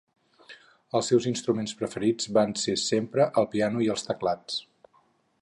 Els seus instruments preferits van ser sempre el piano i els teclats.